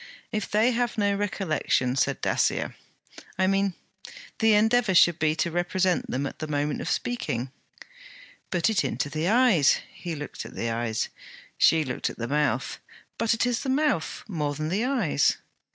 'If they have no recollection,' said Dacier. 'I mean, the endeavour should be to represent them at the moment of speaking.' 'Put it into the eyes.' He looked at the eyes. She looked at the mouth. 'But it is the mouth, more than the eyes.'